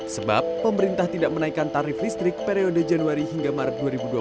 sebab pemerintah tidak menaikkan tarif listrik periode januari hingga maret dua ribu dua puluh